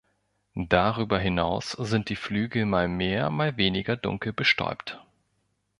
Darüber hinaus sind die Flügel mal mehr, mal weniger dunkel bestäubt.